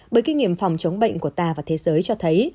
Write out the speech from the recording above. bởi kinh nghiệm phòng chống bệnh của ta và thế giới cho thấy